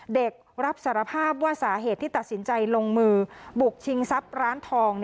เด็กรับสารภาพว่าสาเหตุที่ตัดสินใจลงมือบุกชิงทรัพย์ร้านทอง